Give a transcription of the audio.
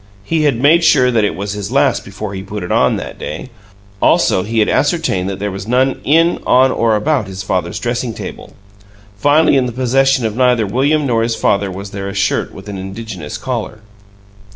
He had made sure that it was his last before he put it on, that day; also he had ascertained that there was none in, on, or about his father's dressing table. Finally, in the possession of neither William nor his father was there a shirt with an indigenous collar.